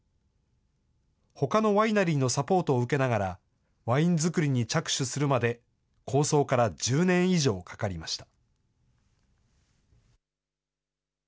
ほかのワイナリーのサポートを受けながら、ワイン造りに着手するまで、構想から１０年以上かかりました。